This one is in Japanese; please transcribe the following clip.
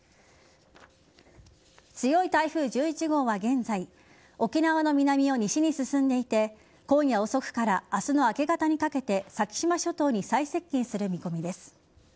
強い台風１１号は現在沖縄の南を西に進んでいて今夜遅くから明日の明け方にかけて先島諸島に最接近する見込みです。